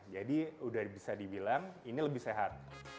jadi udah bisa dibilang ini lebih sehat